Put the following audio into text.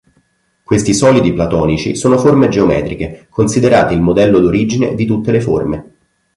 Questi solidi platonici sono forme geometriche considerate il modello d'origine di tutte le forme.